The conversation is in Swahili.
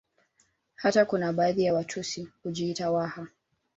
Hata kuna baadhi ya Watusi hujiita Waha